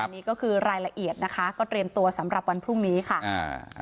นี่ก็คือรายละเอียดนะคะก็เตรียมตัวสำหรับวันพรุ่งนี้ค่ะอ่า